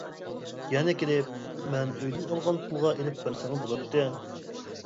يەنە كېلىپ، مەن ئۆيدىن ئالغان پۇلغا ئېلىپ بەرسەممۇ بولاتتى.